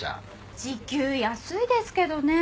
時給安いですけどね。